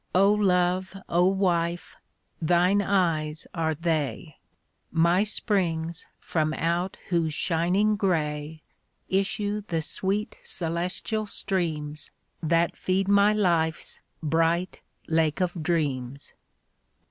O Love, O Wife, thine eyes are they, My springs from out whose shining gray Issue the sweet celestial streams That feed my life's bright Lake of Dreams.